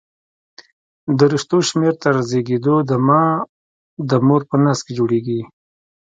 د رشتو شمېر تر زېږېدو د مه د مور په نس کې جوړېږي.